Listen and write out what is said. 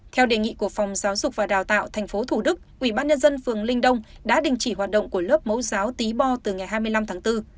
theo đề nghị của phòng giáo dục và đào tạo tp thủ đức ubnd phường linh đông đã đình chỉ hoạt động của lớp mẫu giáo tí bo từ ngày hai mươi năm tháng bốn